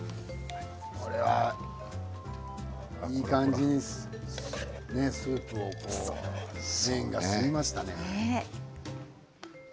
いい感じにスープを麺が吸いましたね。